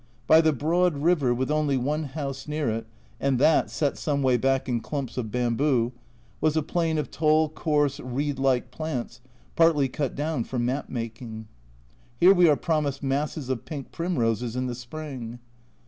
By the broad river, with only one house near it, and that set some way back in clumps of bamboo, was a plain of tall coarse reed like plants, partly cut down for mat making. Here we are promised masses of pink primroses in the spring.